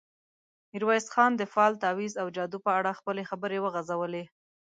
ميرويس خان د فال، تاويذ او جادو په اړه خپلې خبرې وغځولې.